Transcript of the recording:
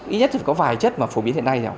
ít nhất thì có vài chất mà phổ biến hiện nay